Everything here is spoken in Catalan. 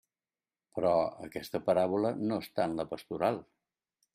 Però aquesta paràbola no està en la pastoral.